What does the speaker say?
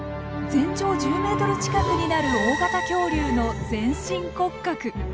全長１０ｍ近くになる大型恐竜の全身骨格。